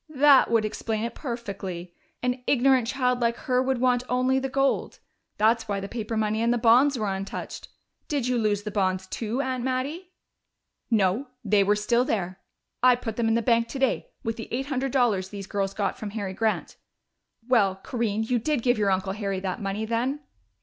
"That would explain it perfectly. An ignorant child like her would want only the gold that's why the paper money and the bonds were untouched. Did you lose the bonds too, Aunt Mattie?" "No, they were still there. I put them in the bank today, with the eight hundred dollars these girls got from Harry Grant.... Well, Corinne, you did give your uncle Harry that money then?"